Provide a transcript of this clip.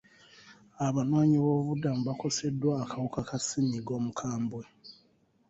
Abanoonyi b'obuddamu bakoseddwa akawuka ka ssenyiga omukambwe.